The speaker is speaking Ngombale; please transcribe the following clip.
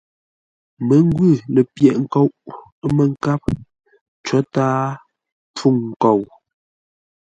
Məngwʉ̂ lə̂ pyə̂ghʼ ńkóʼ, ə́ mə́ nkáp; có tǎa pfûŋ nkou.